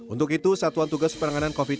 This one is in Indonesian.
untuk itu satuan tugas penanganan covid sembilan belas